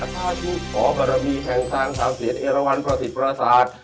อัตภาพชุนขอบรมีแห่งสร้างสามเซียนเอระวันประสิทธิ์ประสาท